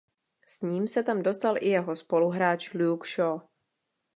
S ním se tam dostal i jeho spoluhráč Luke Shaw.